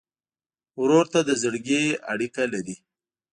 ورور ته د زړګي اړیکه لرې.